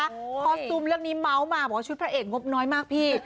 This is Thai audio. พอซูมเรื่องนี้เมาส์มาบอกว่าชุดพระเอกงบน้อยมากพี่